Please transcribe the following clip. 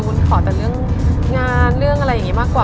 คุณขอแต่เรื่องงานเรื่องอะไรอย่างนี้มากกว่า